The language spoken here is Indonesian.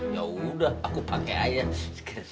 yaudah aku pake air